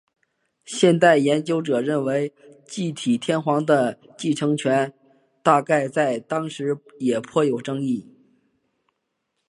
现代研究者认为继体天皇的继承权大概在当时也颇有争议。